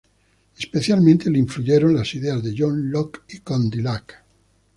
Especialmente le influyeron las ideas de John Locke y Condillac.